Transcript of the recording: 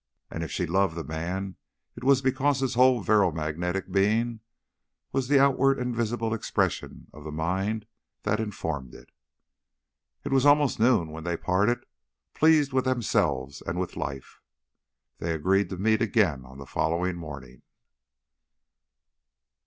And if she loved the man it was because his whole virile magnetic being was the outward and visible expression of the mind that informed it. It was almost noon when they parted, pleased with themselves and with life. They agreed to meet again on the following morning.